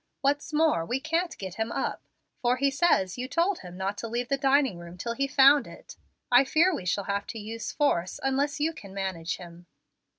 What's more, we can't get him up, for he says you told him not to leave the dining room till he found it. I fear we shall have to use force, unless you can manage him."